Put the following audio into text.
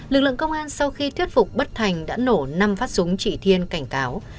lực lượng công an sau khi thuyết phục bất thành đã nổ năm phát súng chị thiên cảnh cáo